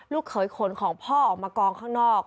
เขยขนของพ่อออกมากองข้างนอก